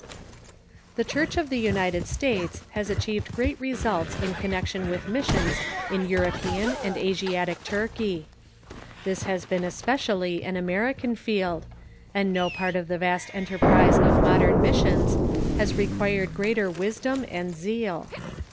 The Church of the United States has achieved great results in connection with missions in. European and Asiatic Turkey. This has been especially an American field, and no part of the 39 610 THE CHURCH IN THE UNITED STATES vast enter}Drise of modern missions has required greater wisdom and zeal.